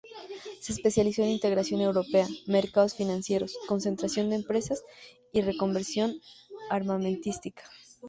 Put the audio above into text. Se especializó en integración europea, mercados financieros, concentración de empresas y reconversión armamentística.